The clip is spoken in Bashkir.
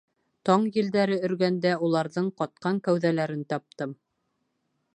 Таң елдәре өргәндә уларҙың ҡатҡан кәүҙәләрен таптым...